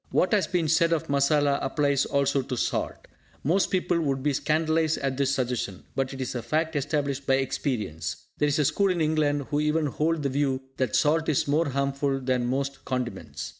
What has been said of masala applies also to salt. Most people would be scandalised at this suggestion, but it is a fact established by experience. There is a school in England who even hold the view that salt is more harmful than most condiments.